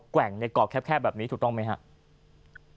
ว่งในเกาะแคบแบบนี้ถูกต้องไหมครับ